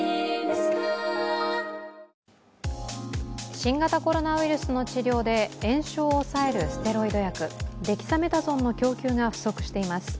新型コロナウイルスの治療で炎症を抑えるステロイド薬デキサメタゾンの供給が不足しています。